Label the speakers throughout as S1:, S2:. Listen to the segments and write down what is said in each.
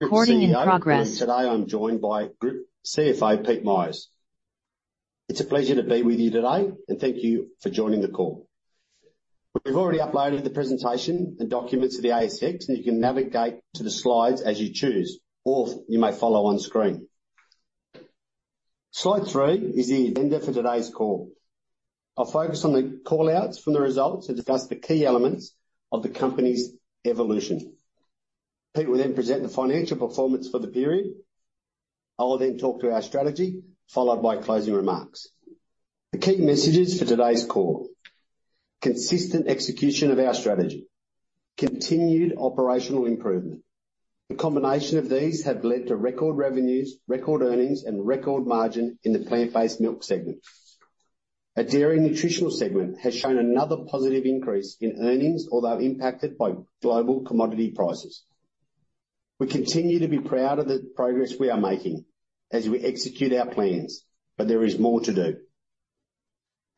S1: Recording in progress.
S2: Today, I'm joined by Group CFO, Peter Myers.It's a pleasure to be with you today, and thank you for joining the call. We've already uploaded the presentation and documents to the ASX, and you can navigate to the slides as you choose, or you may follow on screen. Slide three is the agenda for today's call. I'll focus on the call-outs from the results and discuss the key elements of the company's evolution. Pete will then present the financial performance for the period. I will then talk to our strategy, followed by closing remarks. The key messages for today's call: consistent execution of our strategy, continued operational improvement. The combination of these have led to record revenues, record earnings, and record margin in the plant-based milk segment. Our dairy nutritional segment has shown another positive increase in earnings, although impacted by global commodity prices. We continue to be proud of the progress we are making as we execute our plans, but there is more to do.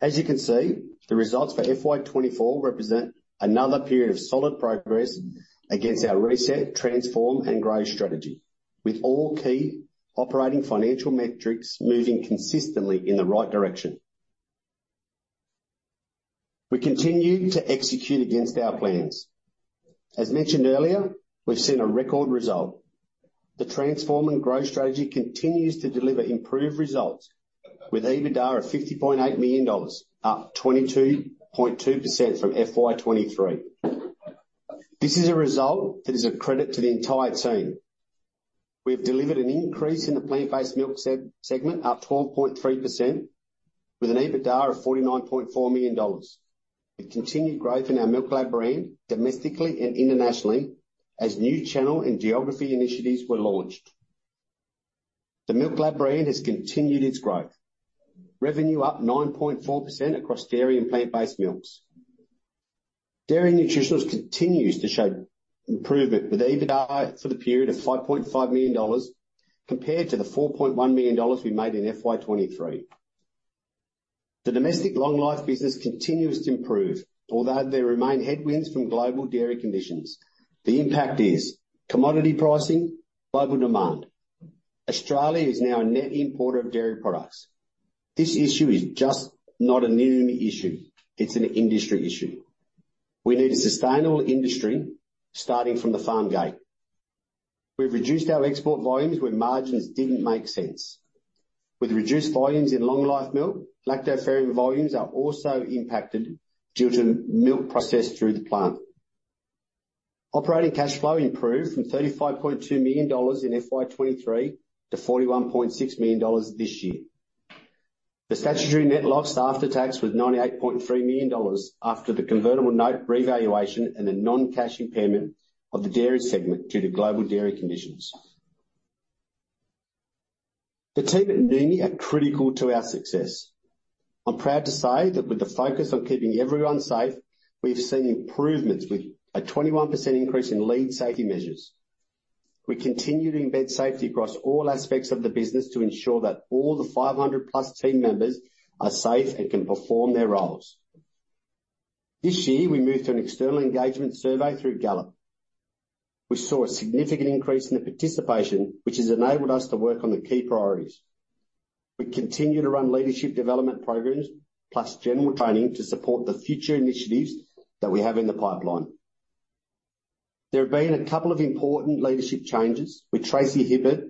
S2: As you can see, the results for FY 2024 represent another period of solid progress against our reset, transform, and grow strategy, with all key operating financial metrics moving consistently in the right direction. We continue to execute against our plans. As mentioned earlier, we've seen a record result. The transform and grow strategy continues to deliver improved results with EBITDA of AUD 50.8 million, up 22.2% from FY 2023. This is a result that is a credit to the entire team. We've delivered an increase in the plant-based milk segment, up 12.3% with an EBITDA of 49.4 million dollars. We've continued growth in our MilkLab brand domestically and internationally as new channel and geography initiatives were launched. The MilkLab brand has continued its growth. Revenue up 9.4% across dairy and plant-based milks. Dairy Nutritionals continues to show improvement with EBITDA for the period of AUD 5.5 million, compared to the AUD 4.1 million we made in FY 2023. The domestic long life business continues to improve, although there remain headwinds from global dairy conditions. The impact is commodity pricing, global demand. Australia is now a net importer of dairy products. This issue is just not a new issue. It's an industry issue. We need a sustainable industry starting from the farm gate. We've reduced our export volumes where margins didn't make sense. With reduced volumes in long-life milk, lactoferrin volumes are also impacted due to milk processed through the plant. Operating cash flow improved from AUD 35.2 million in FY 2023 to AUD 41.6 million this year. The statutory net loss after tax was AUD 98.3 million, after the convertible note revaluation and the non-cash impairment of the dairy segment due to global dairy conditions. The team at Noumi are critical to our success. I'm proud to say that with the focus on keeping everyone safe, we've seen improvements with a 21% increase in lead safety measures. We continue to embed safety across all aspects of the business to ensure that all the 500+ team members are safe and can perform their roles. This year, we moved to an external engagement survey through Gallup. We saw a significant increase in the participation, which has enabled us to work on the key priorities. We continue to run leadership development programs plus general training to support the future initiatives that we have in the pipeline. There have been a couple of important leadership changes, with Tracey Hibbert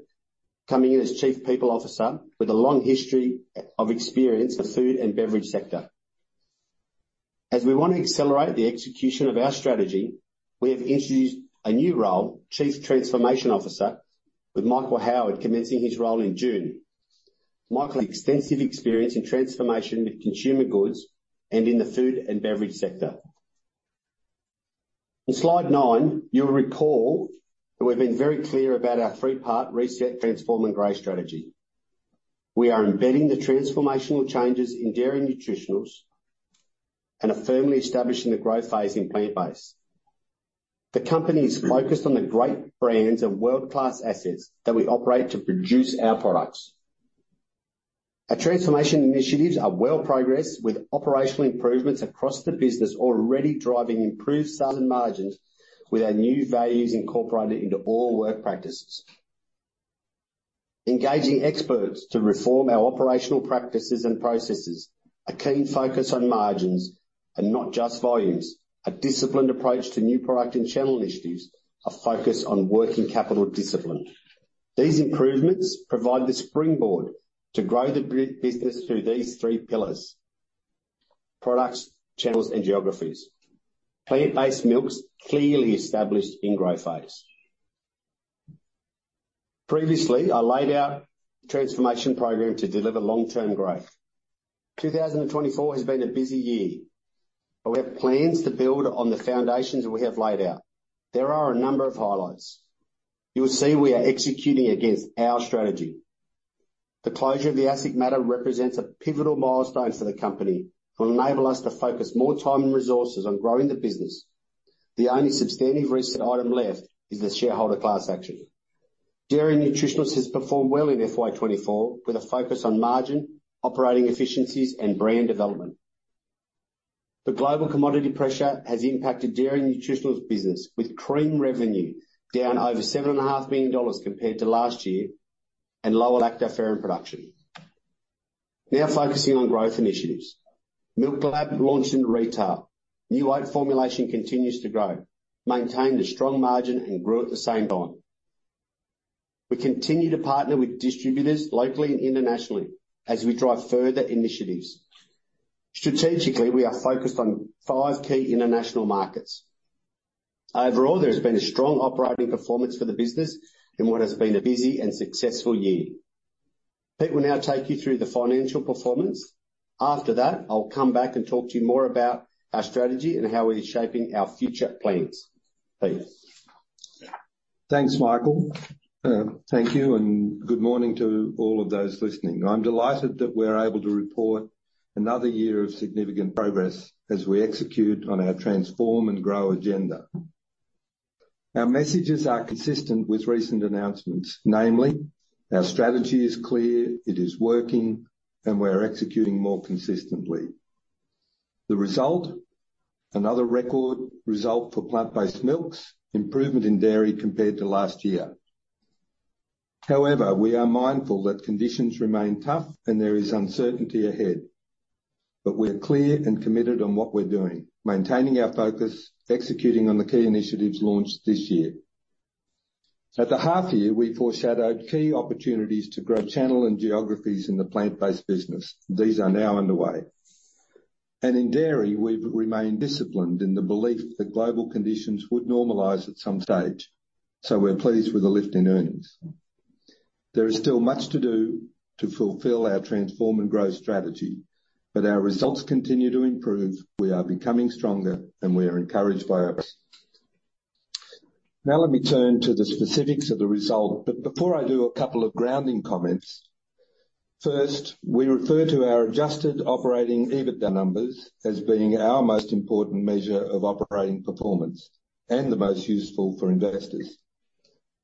S2: coming in as Chief People Officer with a long history of experience in the food and beverage sector. As we want to accelerate the execution of our strategy, we have introduced a new role, Chief Transformation Officer, with Michael Howard commencing his role in June. Michael has extensive experience in transformation with consumer goods and in the food and beverage sector. In slide nine, you'll recall that we've been very clear about our three-part reset, transform, and grow strategy. We are embedding the transformational changes in dairy nutritionals and are firmly establishing the growth phase in plant-based. The company is focused on the great brands and world-class assets that we operate to produce our products. Our transformation initiatives are well progressed, with operational improvements across the business already driving improved sales and margins with our new values incorporated into all work practices. Engaging experts to reform our operational practices and processes, a keen focus on margins and not just volumes, a disciplined approach to new product and channel initiatives, a focus on working capital discipline. These improvements provide the springboard to grow the business through these three pillars: products, channels, and geographies. Plant-based milks clearly established in growth phase. Previously, I laid out the transformation program to deliver long-term growth. Two thousand and twenty-four has been a busy year, but we have plans to build on the foundations we have laid out. There are a number of highlights. You will see we are executing against our strategy. The closure of the ASIC matter represents a pivotal milestone for the company and will enable us to focus more time and resources on growing the business. The only substantive recent item left is the shareholder class action. Dairy Nutritionals has performed well in FY 2024, with a focus on margin, operating efficiencies, and brand development. The global commodity pressure has impacted Dairy Nutritionals business, with cream revenue down over 7.5 million dollars compared to last year, and lower lactoferrin production. Now focusing on growth initiatives. MilkLab launched in retail. New oat formulation continues to grow, maintained a strong margin, and grew at the same time. We continue to partner with distributors locally and internationally as we drive further initiatives. Strategically, we are focused on five key international markets. Overall, there's been a strong operating performance for the business in what has been a busy and successful year. Pete will now take you through the financial performance. After that, I'll come back and talk to you more about our strategy and how we're shaping our future plans. Pete?
S3: Thanks, Michael. Thank you, and good morning to all of those listening. I'm delighted that we're able to report another year of significant progress as we execute on our transform and grow agenda. Our messages are consistent with recent announcements, namely, our strategy is clear, it is working, and we're executing more consistently. The result, another record result for plant-based milks, improvement in dairy compared to last year. However, we are mindful that conditions remain tough and there is uncertainty ahead, but we're clear and committed on what we're doing, maintaining our focus, executing on the key initiatives launched this year. At the half year, we foreshadowed key opportunities to grow channel and geographies in the plant-based business. These are now underway, and in dairy, we've remained disciplined in the belief that global conditions would normalize at some stage, so we're pleased with the lift in earnings. There is still much to do to fulfill our transform and grow strategy, but our results continue to improve, we are becoming stronger, and we are encouraged by our... Now, let me turn to the specifics of the result, but before I do, a couple of grounding comments. First, we refer to our adjusted operating EBITDA numbers as being our most important measure of operating performance, and the most useful for investors,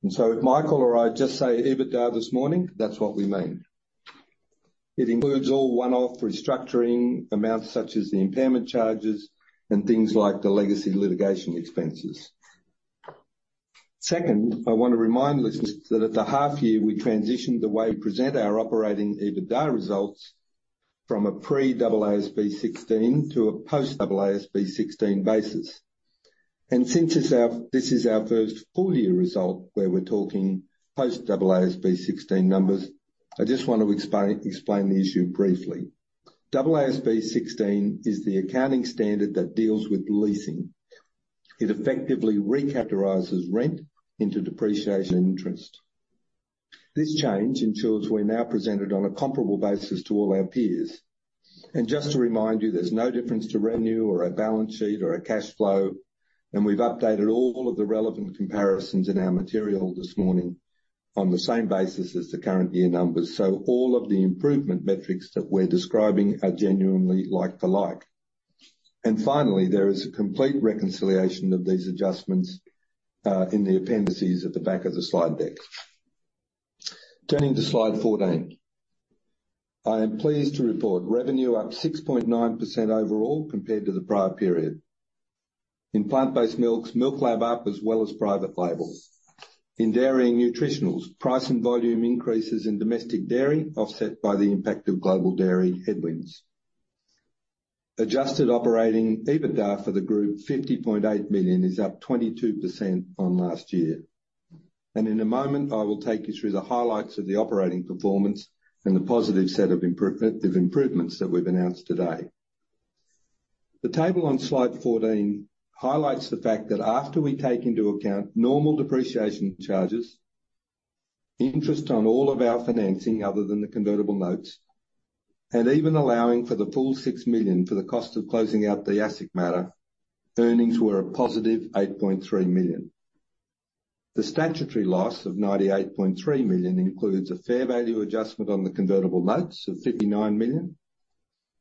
S3: and so if Michael or I just say EBITDA this morning, that's what we mean. It includes all one-off restructuring amounts, such as the impairment charges and things like the legacy litigation expenses. Second, I want to remind listeners that at the half year, we transitioned the way we present our operating EBITDA results from a pre-AASB 16 to a post-AASB 16 basis. And since this is our first full year result where we're talking post-AASB 16 numbers, I just want to explain the issue briefly. AASB 16 is the accounting standard that deals with leasing. It effectively recharacterizes rent into depreciation interest. This change ensures we're now presented on a comparable basis to all our peers. And just to remind you, there's no difference to revenue or our balance sheet or our cash flow, and we've updated all of the relevant comparisons in our material this morning on the same basis as the current year numbers. So all of the improvement metrics that we're describing are genuinely like to like. And finally, there is a complete reconciliation of these adjustments in the appendices at the back of the slide deck. Turning to slide 14, I am pleased to report revenue up 6.9% overall compared to the prior period. In plant-based milks, MilkLab up, as well as private labels. In dairy nutritionals, price and volume increases in domestic dairy, offset by the impact of global dairy headwinds. Adjusted operating EBITDA for the group, 50.8 million, is up 22% on last year. In a moment, I will take you through the highlights of the operating performance and the positive set of improvements that we've announced today. The table on slide 14 highlights the fact that after we take into account normal depreciation charges, interest on all of our financing, other than the convertible notes, and even allowing for the full 6 million for the cost of closing out the ASIC matter, earnings were a positive 8.3 million. The statutory loss of 98.3 million includes a fair value adjustment on the convertible notes of 59 million,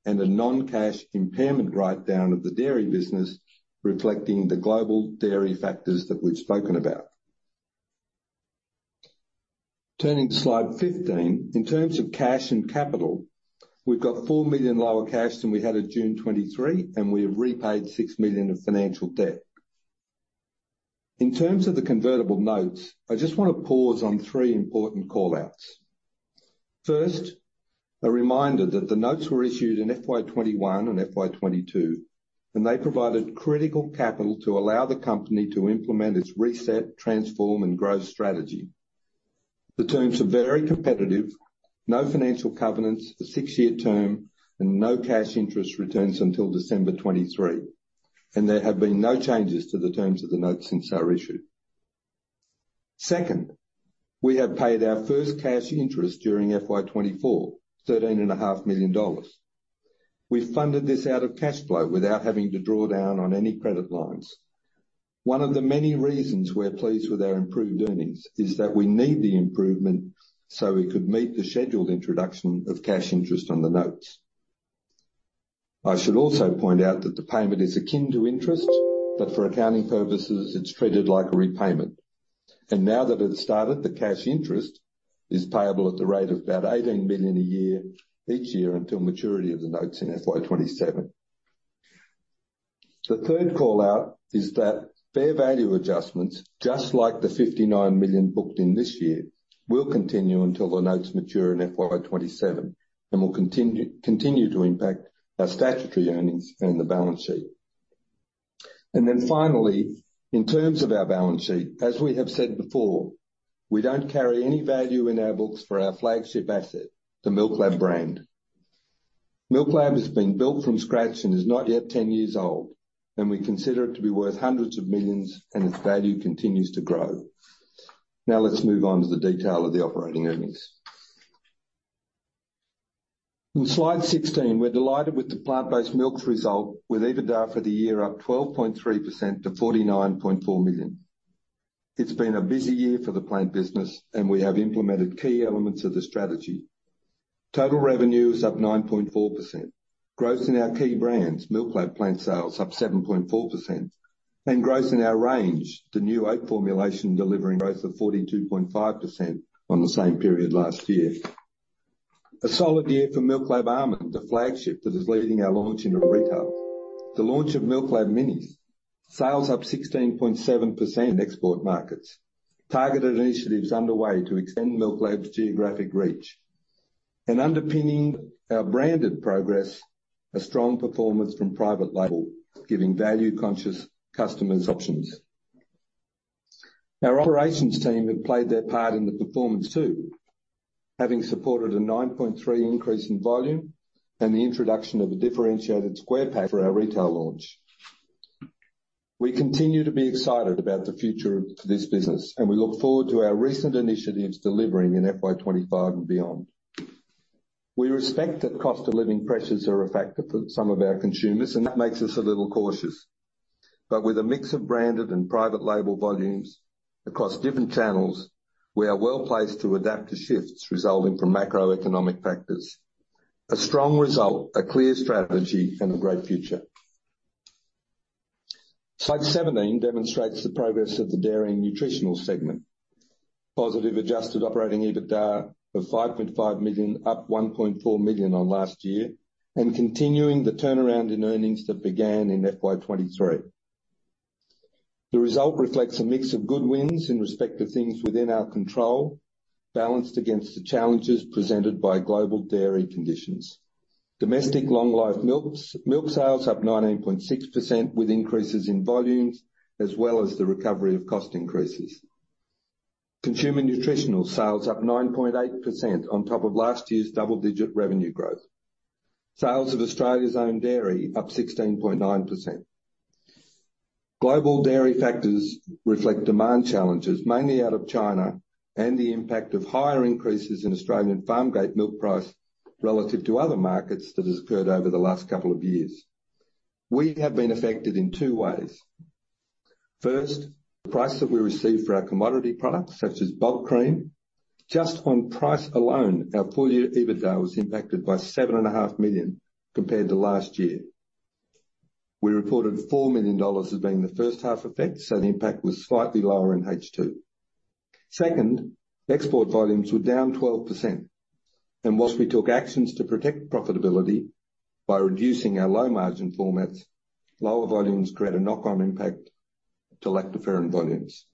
S3: and a non-cash impairment write-down of the dairy business, reflecting the global dairy factors that we've spoken about. Turning to slide 15, in terms of cash and capital, we've got 4 million lower cash than we had at June 2023, and we have repaid 6 million of financial debt. In terms of the convertible notes, I just want to pause on three important call-outs. First, a reminder that the notes were issued in FY 2021 and FY 2022, and they provided critical capital to allow the company to implement its reset, transform, and growth strategy. The terms are very competitive, no financial covenants, a 6-year term, and no cash interest returns until December 2023, and there have been no changes to the terms of the notes since they were issued. Second, we have paid our first cash interest during FY 2024, AUD 13.5 million. We funded this out of cash flow without having to draw down on any credit lines. One of the many reasons we're pleased with our improved earnings is that we need the improvement so we could meet the scheduled introduction of cash interest on the notes. I should also point out that the payment is akin to interest, but for accounting purposes, it's treated like a repayment, and now that it's started, the cash interest is payable at the rate of about 18 million a year, each year until maturity of the notes in FY 2027. The third call-out is that fair value adjustments, just like the 59 million booked in this year, will continue until the notes mature in FY 2027, and will continue to impact our statutory earnings and the balance sheet. Then finally, in terms of our balance sheet, as we have said before, we don't carry any value in our books for our flagship asset, the MilkLab brand. MilkLab has been built from scratch and is not yet 10 years old, and we consider it to be worth hundreds of millions, and its value continues to grow. Now, let's move on to the detail of the operating earnings. In Slide 16, we're delighted with the plant-based milk result, with EBITDA for the year up 12.3% to 49.4 million. It's been a busy year for the plant business, and we have implemented key elements of the strategy. Total revenue is up 9.4%. Growth in our key brands, MilkLab plant sales up 7.4%, and growth in our range, the new oat formulation delivering growth of 42.5% on the same period last year. A solid year for MilkLab Almond, the flagship that is leading our launch into retail. The launch of MilkLab Minis, sales up 16.7% in export markets. Targeted initiatives underway to extend MilkLab's geographic reach. And underpinning our branded progress, a strong performance from private label, giving value-conscious customers options. Our operations team have played their part in the performance, too, having supported a 9.3 increase in volume and the introduction of a differentiated square pack for our retail launch. We continue to be excited about the future of this business, and we look forward to our recent initiatives delivering in FY 2025 and beyond. We respect that cost of living pressures are a factor for some of our consumers, and that makes us a little cautious. But with a mix of branded and private label volumes across different channels, we are well placed to adapt to shifts resulting from macroeconomic factors. A strong result, a clear strategy, and a great future. Slide 17 demonstrates the progress of the dairy and nutritional segment. Positive adjusted operating EBITDA of 5.5 million, up 1.4 million on last year, and continuing the turnaround in earnings that began in FY 2023. The result reflects a mix of good wins in respect to things within our control, balanced against the challenges presented by global dairy conditions. Domestic long-life milks, milk sales up 19.6% with increases in volumes, as well as the recovery of cost increases. Consumer nutritional sales up 9.8% on top of last year's double-digit revenue growth. Sales of Australia's Own Dairy up 16.9%. Global dairy factors reflect demand challenges, mainly out of China, and the impact of higher increases in Australian farm gate milk price relative to other markets that has occurred over the last couple of years. We have been affected in two ways. First, the price that we receive for our commodity products, such as bulk cream, just on price alone, our full-year EBITDA was impacted by 7.5 million compared to last year. We reported 4 million dollars as being the first half effect, so the impact was slightly lower in H2. Second, export volumes were down 12%, and while we took actions to protect profitability by reducing our low-margin formats, lower volumes create a knock-on impact to lactoferrin volumes.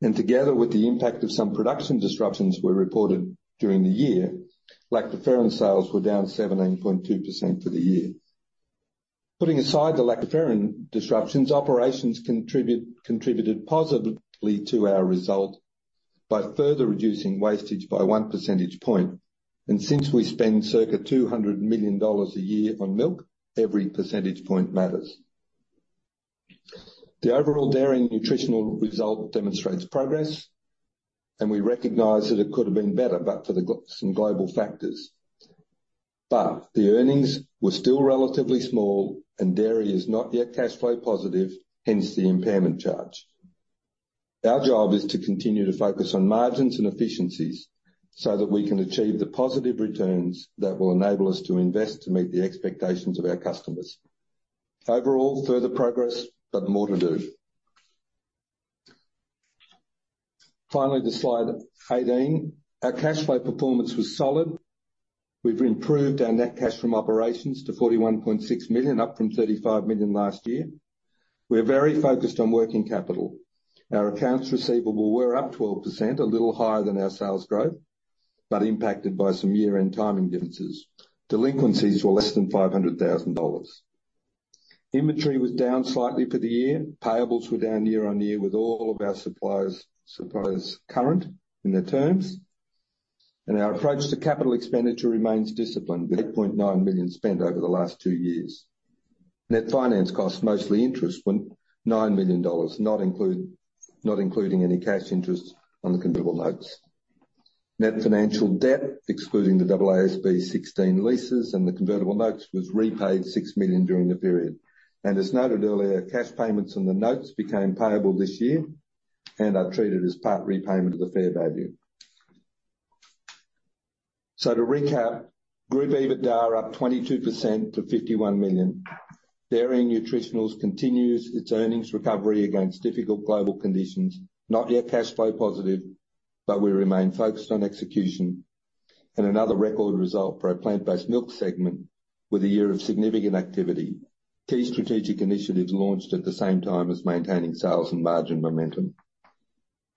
S3: Together, with the impact of some production disruptions we reported during the year, lactoferrin sales were down 17.2% for the year. Putting aside the lactoferrin disruptions, operations contribute, contributed positively to our result by further reducing wastage by 1 percentage point, and since we spend circa 200 million dollars a year on milk, every percentage point matters. The overall dairy and nutritional result demonstrates progress, and we recognize that it could have been better but for some global factors. The earnings were still relatively small, and dairy is not yet cashflow positive, hence the impairment charge. Our job is to continue to focus on margins and efficiencies so that we can achieve the positive returns that will enable us to invest to meet the expectations of our customers. Overall, further progress, but more to do. Finally, to slide 18. Our cash flow performance was solid. We've improved our net cash from operations to 41.6 million, up from 35 million last year. We are very focused on working capital. Our accounts receivable were up 12%, a little higher than our sales growth, but impacted by some year-end timing differences. Delinquencies were less than 500,000 dollars. Inventory was down slightly for the year. Payables were down year on year, with all of our suppliers current in their terms. And our approach to capital expenditure remains disciplined, with 8.9 million spent over the last two years. Net finance costs, mostly interest, were 9 million dollars, not including any cash interest on the convertible notes. Net financial debt, excluding the AASB 16 leases and the convertible notes, was repaid 6 million during the period, and as noted earlier, cash payments on the notes became payable this year and are treated as part repayment of the fair value. To recap, group EBITDA are up 22% to 51 million. Dairy and Nutritionals continues its earnings recovery against difficult global conditions, not yet cash flow positive, but we remain focused on execution. Another record result for our plant-based milk segment, with a year of significant activity. Key strategic initiatives launched at the same time as maintaining sales and margin momentum.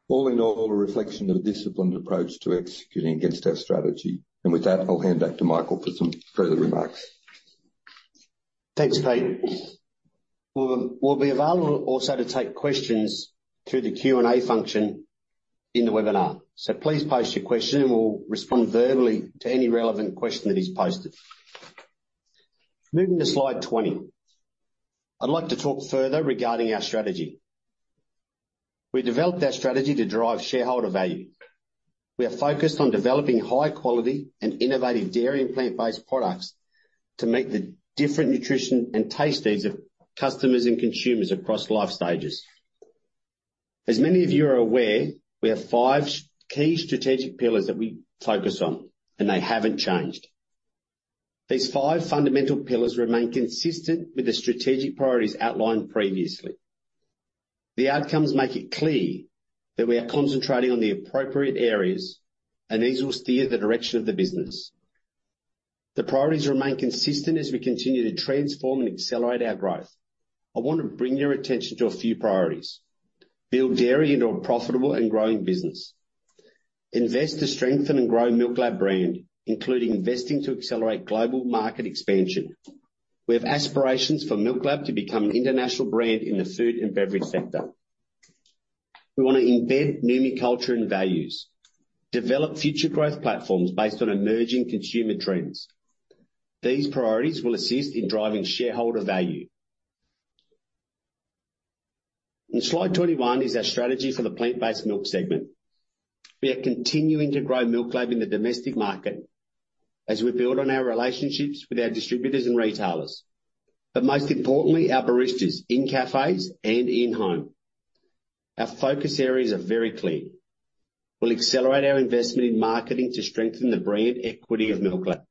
S3: All in all, a reflection of a disciplined approach to executing against our strategy. With that, I'll hand back to Michael for some further remarks.
S2: Thanks, Pete. We'll be available also to take questions through the Q&A function in the webinar, so please post your question, and we'll respond verbally to any relevant question that is posted. Moving to slide 20. I'd like to talk further regarding our strategy. We developed our strategy to drive shareholder value. We are focused on developing high quality and innovative dairy and plant-based products to meet the different nutrition and taste needs of customers and consumers across life stages. As many of you are aware, we have five key strategic pillars that we focus on, and they haven't changed. These five fundamental pillars remain consistent with the strategic priorities outlined previously. The outcomes make it clear that we are concentrating on the appropriate areas, and these will steer the direction of the business. The priorities remain consistent as we continue to transform and accelerate our growth. I want to bring your attention to a few priorities. Build dairy into a profitable and growing business. Invest to strengthen and grow MilkLab brand, including investing to accelerate global market expansion. We have aspirations for MilkLab to become an international brand in the food and beverage sector. We want to embed Noumi culture and values, develop future growth platforms based on emerging consumer trends. These priorities will assist in driving shareholder value. In slide 21 is our strategy for the plant-based milk segment. We are continuing to grow MilkLab in the domestic market as we build on our relationships with our distributors and retailers, but most importantly, our baristas in cafes and in-home. Our focus areas are very clear. We'll accelerate our investment in marketing to strengthen the brand equity of MilkLab.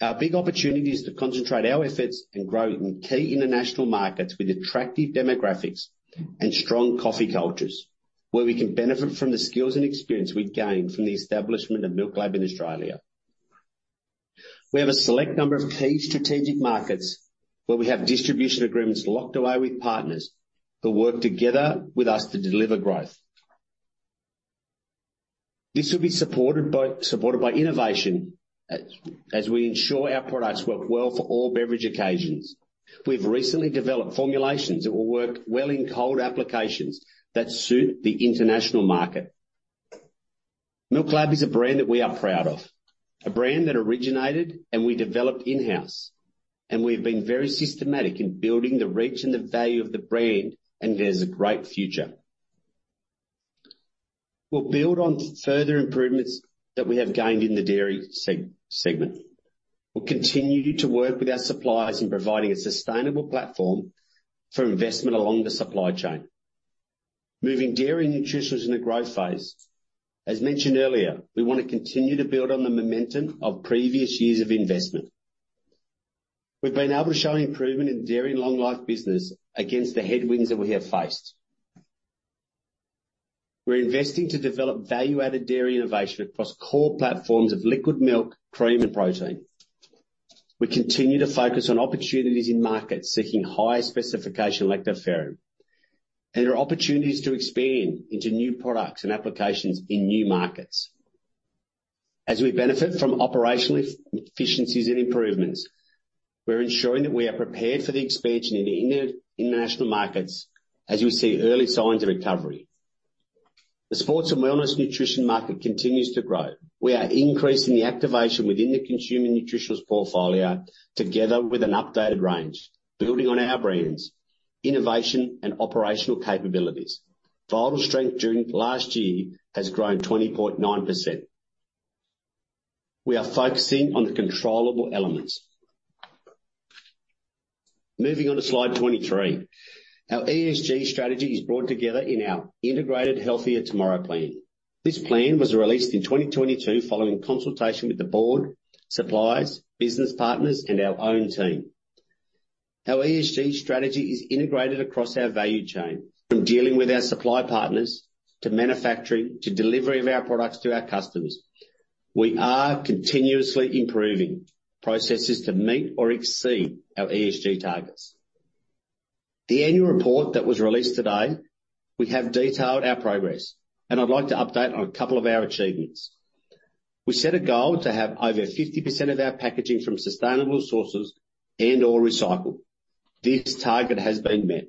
S2: Our big opportunity is to concentrate our efforts and grow in key international markets with attractive demographics and strong coffee cultures, where we can benefit from the skills and experience we've gained from the establishment of MilkLab in Australia. We have a select number of key strategic markets where we have distribution agreements locked away with partners, who work together with us to deliver growth. This will be supported by innovation, as we ensure our products work well for all beverage occasions. We've recently developed formulations that will work well in cold applications that suit the international market. MilkLab is a brand that we are proud of, a brand that originated and we developed in-house, and we've been very systematic in building the reach and the value of the brand, and it has a great future. We'll build on further improvements that we have gained in the dairy segment. We'll continue to work with our suppliers in providing a sustainable platform for investment along the supply chain. Moving dairy nutritionals in a growth phase, as mentioned earlier, we want to continue to build on the momentum of previous years of investment. We've been able to show improvement in dairy long life business against the headwinds that we have faced. We're investing to develop value-added dairy innovation across core platforms of liquid milk, cream, and protein. We continue to focus on opportunities in markets seeking higher specification lactoferrin, and there are opportunities to expand into new products and applications in new markets. As we benefit from operational efficiencies and improvements, we're ensuring that we are prepared for the expansion in the international markets, as we see early signs of recovery. The sports and wellness nutrition market continues to grow. We are increasing the activation within the consumer nutritionals portfolio, together with an updated range, building on our brands, innovation, and operational capabilities. Vital Strength during last year has grown 20.9%. We are focusing on the controllable elements. Moving on to slide 23. Our ESG strategy is brought together in our integrated Healthier Tomorrow plan. This plan was released in 2022, following consultation with the board, suppliers, business partners, and our own team. Our ESG strategy is integrated across our value chain, from dealing with our supply partners, to manufacturing, to delivery of our products to our customers. We are continuously improving processes to meet or exceed our ESG targets. The annual report that was released today, we have detailed our progress, and I'd like to update on a couple of our achievements. We set a goal to have over 50% of our packaging from sustainable sources and/or recycled. This target has been met.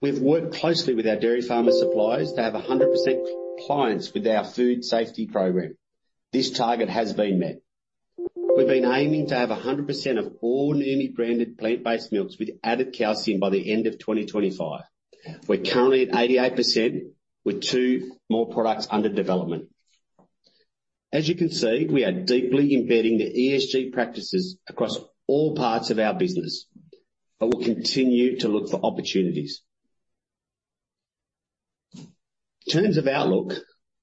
S2: We've worked closely with our dairy farmer suppliers to have 100% compliance with our food safety program. This target has been met. We've been aiming to have 100% of all Noumi-branded plant-based milks with added calcium by the end of twenty twenty-five. We're currently at 88%, with two more products under development. As you can see, we are deeply embedding the ESG practices across all parts of our business, but we'll continue to look for opportunities. In terms of outlook,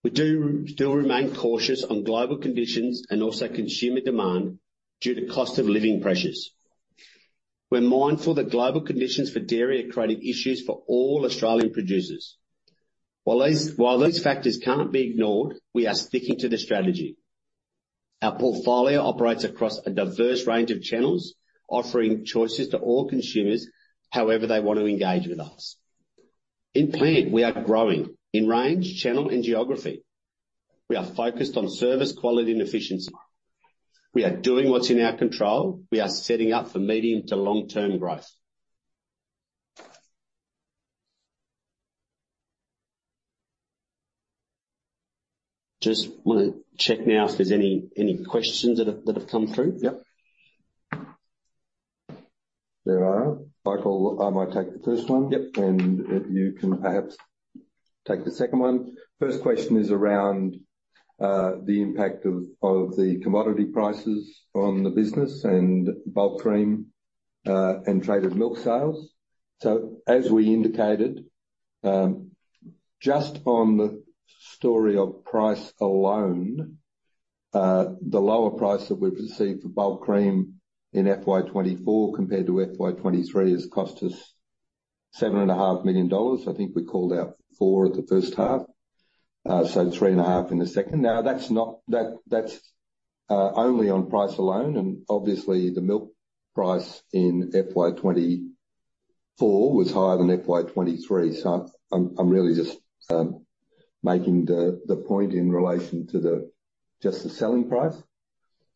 S2: we do still remain cautious on global conditions and also consumer demand due to cost of living pressures. We're mindful that global conditions for dairy are creating issues for all Australian producers. While these factors can't be ignored, we are sticking to the strategy. Our portfolio operates across a diverse range of channels, offering choices to all consumers, however they want to engage with us. In plant, we are growing in range, channel, and geography. We are focused on service, quality, and efficiency. We are doing what's in our control. We are setting up for medium to long-term growth. Just want to check now if there's any questions that have come through? Yep.
S3: There are. Michael, I might take the first one-
S2: Yep.
S3: And you can perhaps take the second one. First question is around the impact of the commodity prices on the business and bulk cream and traded milk sales. So as we indicated, just on the story of price alone, the lower price that we've received for bulk cream in FY 2024 compared to FY 2023 has cost us 7.5 million dollars. I think we called out four at the first half, so three and a half in the second. Now, that's only on price alone, and obviously, the milk price in FY 2024 was higher than FY 2023. So I'm really just making the point in relation to just the selling price.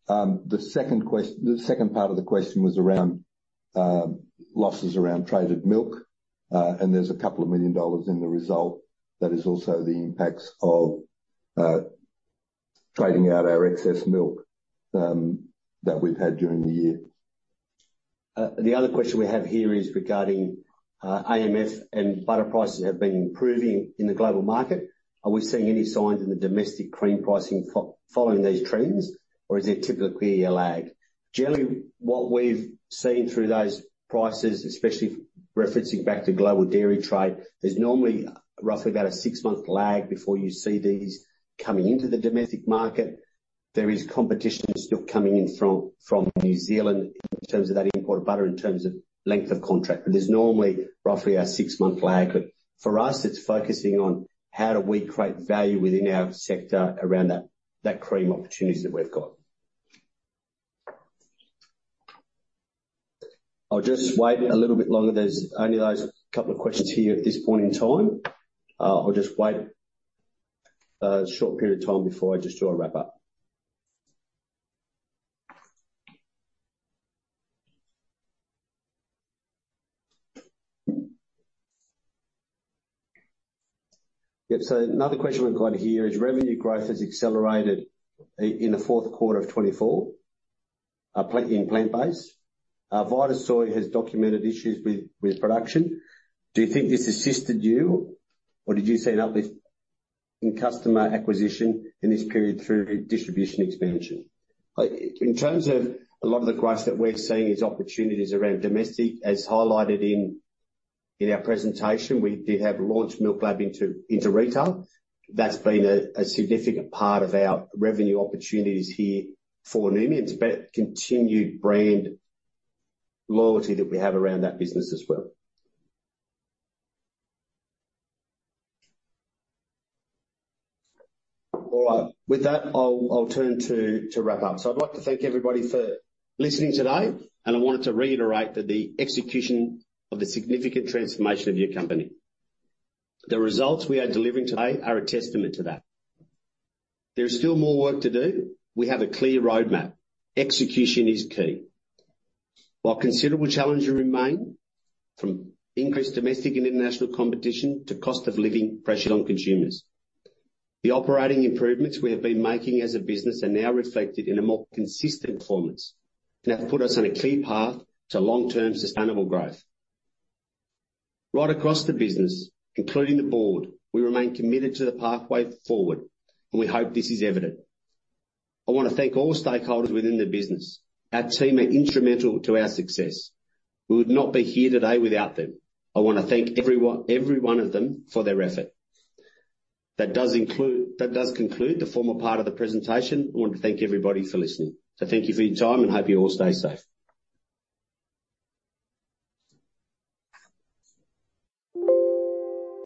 S3: The second part of the question was around losses around traded milk, and there's a couple of million AUD in the result. That is also the impacts of trading out our excess milk that we've had during the year.
S2: The other question we have here is regarding AMF, and butter prices have been improving in the global market. Are we seeing any signs in the domestic cream pricing following these trends, or is there typically a lag? Generally, what we've seen through those prices, especially referencing back to Global Dairy Trade, there's normally roughly about a six-month lag before you see these coming into the domestic market. There is competition still coming in from New Zealand in terms of that import of butter, in terms of length of contract, but there's normally roughly a six-month lag. But for us, it's focusing on how do we create value within our sector around that cream opportunity that we've got. I'll just wait a little bit longer. There's only those couple of questions here at this point in time. I'll just wait a short period of time before I just do a wrap-up. So another question we've got here is, "Revenue growth has accelerated in the Q4 of twenty-four in plant-based. Vitasoy has documented issues with production. Do you think this assisted you, or did you see an uplift in customer acquisition in this period through distribution expansion?" In terms of a lot of the growth that we're seeing is opportunities around domestic. As highlighted in our presentation, we did have launch MilkLab into retail. That's been a significant part of our revenue opportunities here for Noumi, but continued brand loyalty that we have around that business as well. All right. With that, I'll turn to wrap up. I'd like to thank everybody for listening today, and I wanted to reiterate that the execution of the significant transformation of your company, the results we are delivering today are a testament to that. There is still more work to do. We have a clear roadmap. Execution is key. While considerable challenges remain, from increased domestic and international competition to cost of living pressure on consumers, the operating improvements we have been making as a business are now reflected in a more consistent performance that have put us on a clear path to long-term, sustainable growth. Right across the business, including the board, we remain committed to the pathway forward, and we hope this is evident. I want to thank all stakeholders within the business. Our team are instrumental to our success. We would not be here today without them. I want to thank everyone, every one of them for their effort. That does conclude the formal part of the presentation. I want to thank everybody for listening. So thank you for your time, and hope you all stay safe.